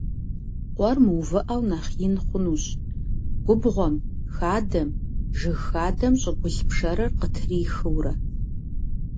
Къуэр мыувыӀэу нэхъ ин хъунущ, губгъуэм, хадэм, жыг хадэм щӀыгулъ пшэрыр къатрихыурэ.